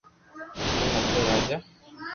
ايڪ ھتو راجا